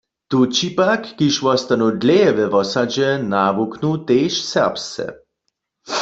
Tući pak, kiž wostanu dlěje we wosadźe, nawuknu tež serbsce.